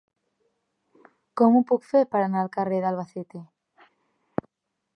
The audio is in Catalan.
Com ho puc fer per anar al carrer d'Albacete?